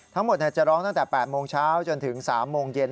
ทั้งหมดจะร้องตั้งแต่๘โมงเช้าจนถึง๓โมงเย็น